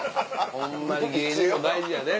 ホンマに芸人も大事やで。